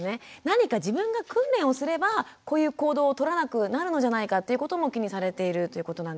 何か自分が訓練をすればこういう行動を取らなくなるんじゃないかということも気にされているということなんですが。